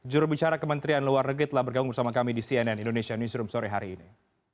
jurubicara kementerian luar negeri telah bergabung bersama kami di cnn indonesia newsroom sore hari ini